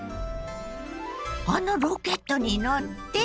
あのロケットに乗って？